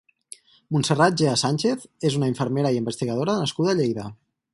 Montserrat Gea Sánchez és una infermera i investigadora nascuda a Lleida.